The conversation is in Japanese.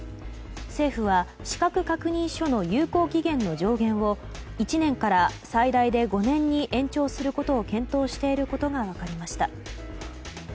政府は、資格確認書の有効期限の上限を１年から最大で５年に延長することを検討していることが分かりました。